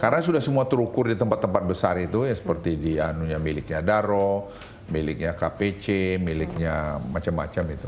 karena sudah semua terukur di tempat tempat besar itu ya seperti di miliknya daro miliknya kpc miliknya macam macam itu